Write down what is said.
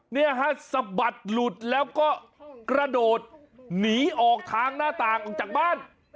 เนี่ยฮะสะบัดหลุดแล้วก็กระโดดหนีออกทางหน้าต่างออกจากบ้าน